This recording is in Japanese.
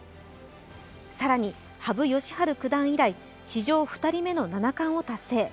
更に、羽生善治九段以来史上２人目の七冠を達成。